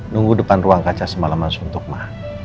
nunggu depan ruang kaca semalaman suntuk ma